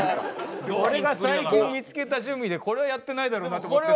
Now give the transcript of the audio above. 俺が最近見つけた趣味でこれはやってないだろうなと思って。